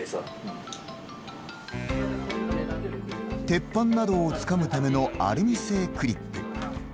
鉄板などをつかむためのアルミ製クリップ。